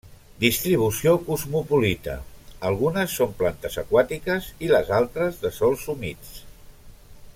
Distribució cosmopolita, algunes són plantes aquàtiques i les altres de sòls humits.